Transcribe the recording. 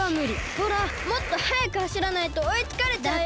ほらもっとはやくはしらないとおいつかれちゃうよ。